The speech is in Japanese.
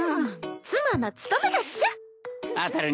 妻の務めだっちゃ。